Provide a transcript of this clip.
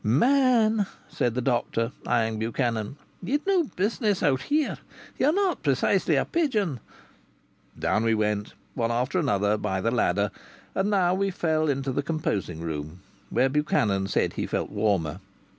"Man," said the doctor, eyeing Buchanan. "Ye'd no business out here. Ye're not precisely a pigeon." Down we went, one after another, by the ladder, and now we fell into the composing room, where Buchanan said he felt warmer.